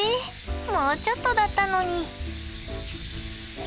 もうちょっとだったのに。